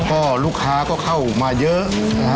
ก็ลูกค้าก็เข้ามาเยอะนะฮะ